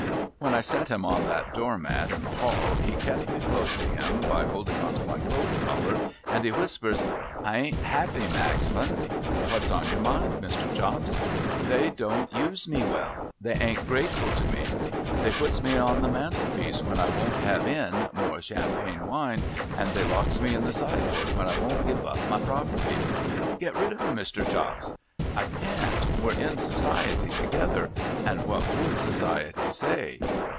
When I set him on the door mat in the hall, he kep me close to him by holding on to my coat collar, and he whisj)crs :' I ain't 'appy, Magsman,' ' What's on your mind, Mr. Chops ?'' They don't use me well. They an't grateful to me. They puts me on the mantel piece when I won't have in more Champagne wine, and they locks me in the sideboard when I won't give up my property.' ' Get rid of 'em, Mr. Chops.' ' I can't. '\\'e're in Society together, and w hat would Society say